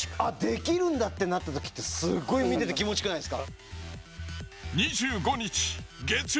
できるんだってなった時って見ててすごく気持ちよくないですか？